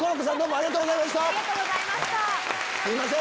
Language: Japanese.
ありがとうございます！